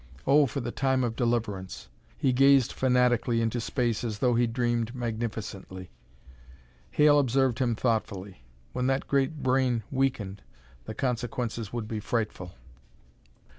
Oh, for the time of deliverance!" He gazed fanatically into space, as though he dreamed magnificently. Hale observed him thoughtfully. When that great brain weakened, the consequences would be frightful.